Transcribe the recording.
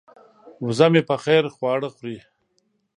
وزه مې په ځیر خواړه خوري.